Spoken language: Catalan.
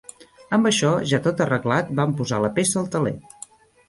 Amb això, ja tot arreglat, van posar la peça al teler.